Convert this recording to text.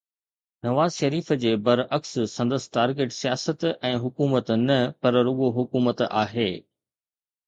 نواز شريف جي برعڪس سندس ٽارگيٽ سياست ۽ حڪومت نه پر رڳو حڪومت آهي.